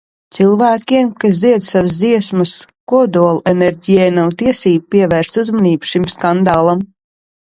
Cilvēkiem, kas dzied slavas dziesmas kodolenerģijai, nav tiesību nepievērst uzmanību šim skandālam.